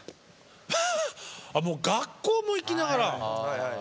ああもう学校も行きながら。